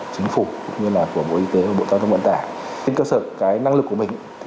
chính phủ cũng như là của bộ y tế và bộ giao thông vận tải trên cơ sở cái năng lực của mình